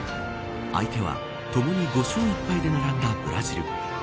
相手は、共に５勝１敗で並んだブラジル。